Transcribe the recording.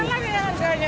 harga yang kini